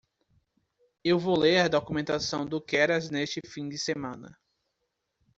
Eu vou ler a documentação do Keras neste fim de semana.